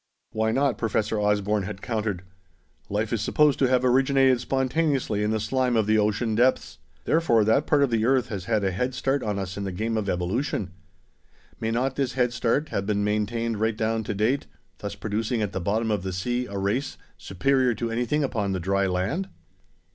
"Why not?" Professor Osborne had countered. "Life is supposed to have originated spontaneously in the slime of the ocean depths; therefore that part of the earth has had a head start on us in the game of evolution. May not this head start have been maintained right down to date, thus producing at the bottom of the sea a race superior to anything upon the dry land?"